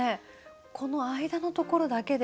この間のところだけで。